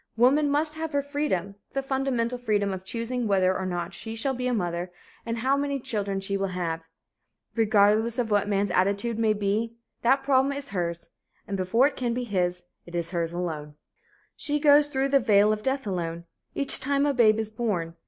Woman must have her freedom the fundamental freedom of choosing whether or not she shall be a mother and how many children she will have. Regardless of what man's attitude may be, that problem is hers and before it can be his, it is hers alone. She goes through the vale of death alone, each time a babe is born.